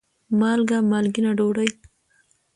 مالګه : مالګېنه ډوډۍ